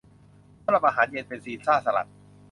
สำหรับอาหารเย็นเป็นซีซ่าสลัด